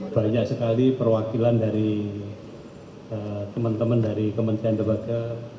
banyak sekali perwakilan dari teman teman dari kementerian lembaga